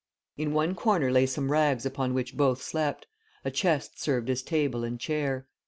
In one corner lay some rags upon which both slept; a chest served as table and chair.